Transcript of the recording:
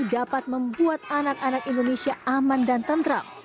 dapat membuat anak anak indonesia aman dan tentram